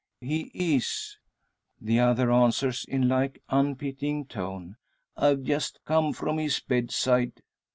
"He is," the other answers, in like unpitying tone; "I've just come from his bedside."